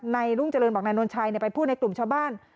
รุ่งเจริญบอกนายนวลชัยไปพูดในกลุ่มชาวบ้าน